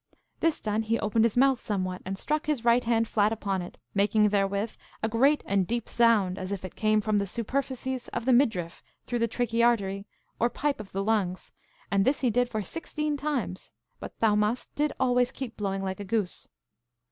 This done, he opened his mouth somewhat, and struck his right hand flat upon it, making therewith a great and a deep sound, as if it came from the superficies of the midriff through the trachiartery or pipe of the lungs, and this he did for sixteen times; but Thaumast did always keep blowing like a goose.